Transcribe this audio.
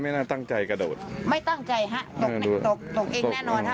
น่าตั้งใจกระโดดไม่ตั้งใจฮะตกตกเองแน่นอนฮะ